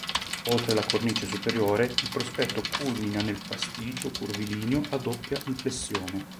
Oltre la cornice superiore, il prospetto culmina nel fastigio curvilineo a doppia inflessione.